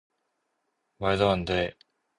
말도 안 돼!